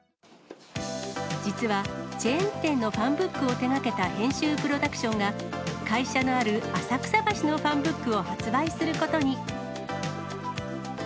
実はチェーン店のファンブックを手がけた編集プロダクションが、会社のある浅草橋のファンブックを発売することに。